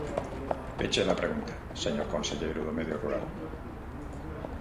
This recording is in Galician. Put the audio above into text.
Peche da pregunta, señor conselleiro do Medio Rural.